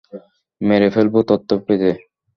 মেরে ফেলবো তথ্য পেতে।